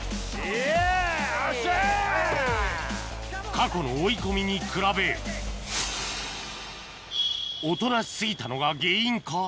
過去の追い込みに比べおとなし過ぎたのが原因か？